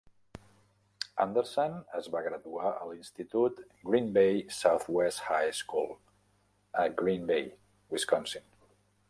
Anderson es va graduar a l'institut Green Bay Southwest High School, a Green Bay, Wisconsin.